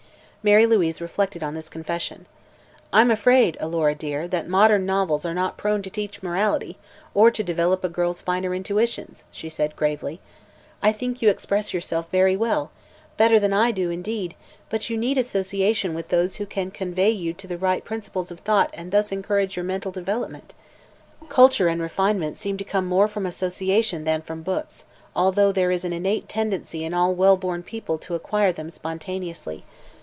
Mary Louise reflected on this confession. "I'm afraid, Alora dear, that modern novels are not prone to teach morality, or to develop a girl's finer intuitions," she said gravely. "I think you express yourself very well better than I do, indeed but you need association with those who can convey to you the right principles of thought and thus encourage your mental development. Culture and refinement seem to come more from association than from books, although there is an innate tendency in all well born people to acquire them spontaneously.